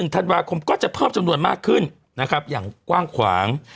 ธันวาคมก็จะเพิ่มจำนวนมากขึ้นนะครับอย่างกว้างขวาง